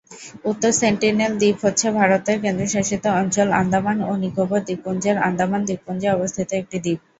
উত্তর সেন্টিনেল দ্বীপ হচ্ছে ভারতের কেন্দ্রশাসিত অঞ্চল আন্দামান ও নিকোবর দ্বীপপুঞ্জের আন্দামান দ্বীপপুঞ্জে অবস্থিত একটি দ্বীপ।